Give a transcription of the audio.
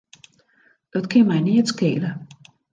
It kin my neat skele.